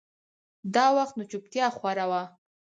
دا وخت نو چوپتيا خوره وه.